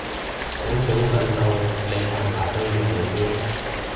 想早瞓到你刷牙都要早啲